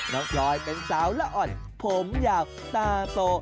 พลอยเป็นสาวละอ่อนผมยาวตาโต